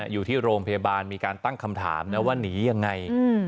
อยู่ที่โรงพยาบาลมีการตั้งคำถามนะว่าหนียังไง